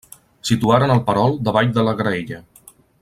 Situaren el perol davall de la graella.